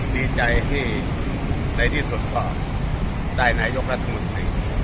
ดีใจที่ในที่สุดก็ได้นายกรัฐมนตรี